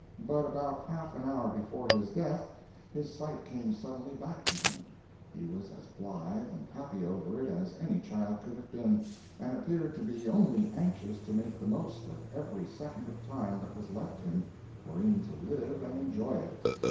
But about half an hour before his death his sight came suddenly back to him. He was as blithe and happy over it as any child could have been, and appeared to be only anxious to make the most of every second of time that was left him wherein to live and enjoy it.